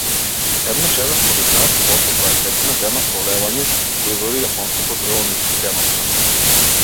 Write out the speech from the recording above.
Еднаш еден полицаец, после дваесетина дена полевање, го извади јапонското дрво на искреноста.